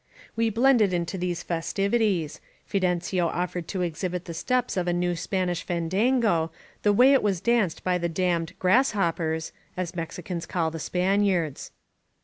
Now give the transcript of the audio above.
We blended into these festivities. Fidencio oflFered to exhibit the steps of a new Spanish fandango, the way it was danced by the damned ^^grasshoppers" (as Mexicans call the Spaniards).